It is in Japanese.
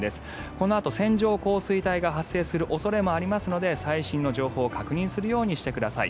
このあと線状降水帯が発生する恐れもありますので最新の情報を確認するようにしてください。